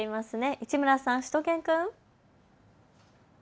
市村さん、しゅと犬くん。